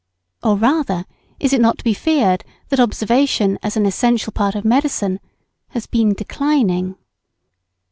Or, rather, is it not to be feared that observation, as an essential part of medicine, has been declining?